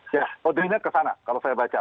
ya auditnya ke sana kalau saya baca